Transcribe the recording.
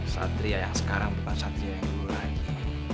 satria yang sekarang bukan satria yang dulu lagi